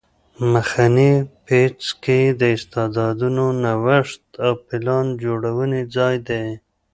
مخنی پیڅکی د استعدادونو نوښت او پلان جوړونې ځای دی